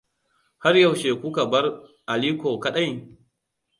Har yaushe kuka bar Aliko kadai?